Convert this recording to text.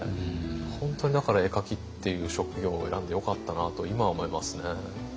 本当にだから絵描きっていう職業を選んでよかったなと今は思いますね。